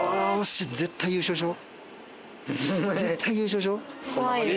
絶対優勝しよう！